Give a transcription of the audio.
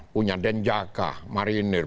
punya den jakah marinir